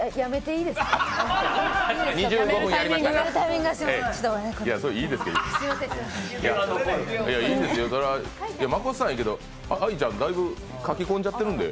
いいんですよ、誠さんはいいけど、愛ちゃん、だいぶ、描き込んじゃってるんで。